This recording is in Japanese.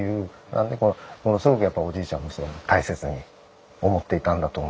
なんでものすごくおじいちゃんも大切に思っていたんだと思いますね。